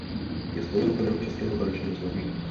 Je spoluautorem Českého tanečního slovníku.